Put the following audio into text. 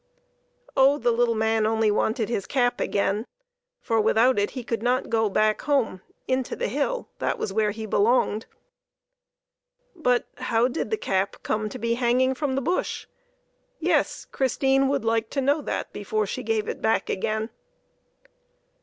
Oh, th^ little man only wanted his cap again, for without it he could not go back home into the hill that was where he belonged. The little man asks for his cap But how did the cap come to be hanging from the bush ? Yes, Christine would like to know that before she gave it back again.